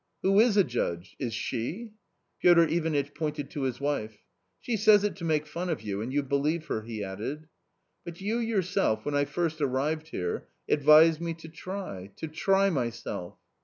" Who is a judge ? is she ?" Piotr Ivanitch pointed to his wife. " She says it to make fun of you, and you believe her," he added. " But you yourself, when I first arrived here, advised me to try — to try myself."